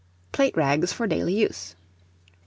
Plate rags for daily use. 2318.